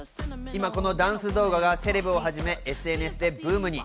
今、このダンス動画がセレブをはじめ、ＳＮＳでブームに。